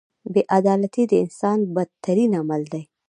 • بې عدالتي د انسان بدترین عمل دی.